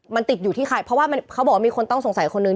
มันติดอยู่ที่ใครเพราะว่ามันเขาบอกว่ามีคนต้องสงสัยคนนึง